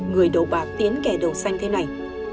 người đầu bạc tiến kẻ đầu xanh thế này